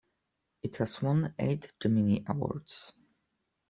It has won eight Gemini Awards.